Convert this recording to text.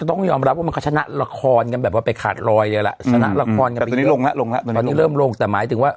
มันเดี๋ยวมีอำรับว่ามันค่ะชนะละคอนกันแบบว่าไปขาดรอยเลยแหละชนะละคอนตอนนี้ลงยากลงแล้วตอนนี้เริ่มลงแต่หมายถึงว่า